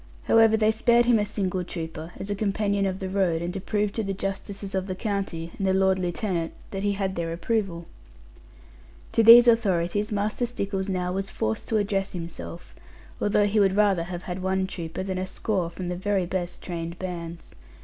However, they spared him a single trooper, as a companion of the road, and to prove to the justices of the county, and the lord lieutenant, that he had their approval. To these authorities Master Stickles now was forced to address himself, although he would rather have had one trooper than a score from the very best trained bands.